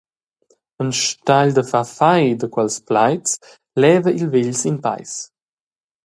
Enstagl da far fei da quels plaids, leva il vegl sin peis.